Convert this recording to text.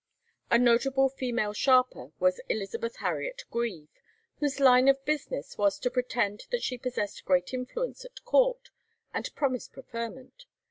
A notable female sharper was Elizabeth Harriet Grieve, whose line of business was to pretend that she possessed great influence at court, and promise preferment.